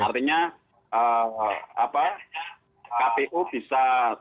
artinya tkpu bisa tetap menjalankan pemilihan